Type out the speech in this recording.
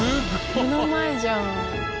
目の前じゃん。